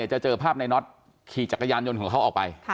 จะเจอภาพในน็อตขี่จักรยานยนต์ของเขาออกไป